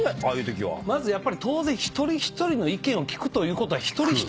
まずやっぱり当然一人一人の意見を聞くということは。